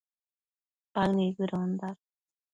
Paë nibëdondash